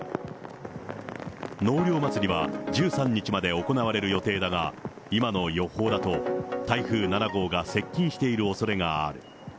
納涼祭りは１３日まで行われる予定だが、今の予報だと、台風７号が接近しているおそれがある。